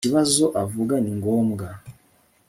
Ikibazo avuga ni ngombwa